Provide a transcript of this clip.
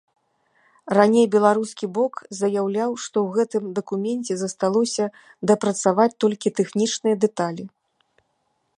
Раней беларускі бок заяўляў, што ў гэтым дакуменце засталося дапрацаваць толькі тэхнічныя дэталі.